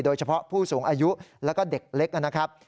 โดยเฉพาะผู้สูงอายุแล้วก็เด็กเล็กนะครับ